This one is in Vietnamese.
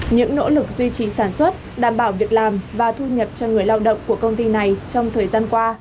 những nỗ lực duy trì sản xuất đảm bảo việc làm và thu nhập cho người lao động của công ty này trong thời gian qua